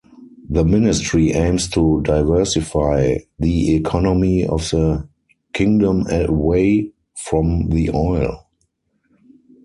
The Ministry aims to diversify the economy of the Kingdom away from the oil.